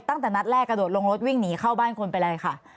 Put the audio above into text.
ตั้งแต่นัดแรกกระโดดลงรถวิ่งหนีเข้าบ้านคนไปเลยค่ะ